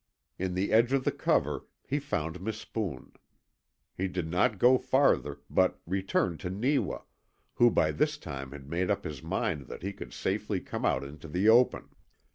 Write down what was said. In the edge of the cover he found Mispoon. He did not go farther, but returned to Neewa, who by this time had made up his mind that he could safely come out into the open.